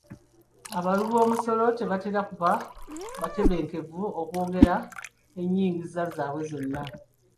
Abawi b'omusolo tebatera kuba batebenkevu okwogera ennyingiza zaabwe zonna.